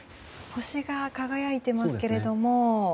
星が輝いていますけど。